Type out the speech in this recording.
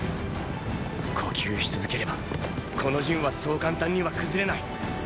呼吸し続ければこの陣はそう簡単には崩れない！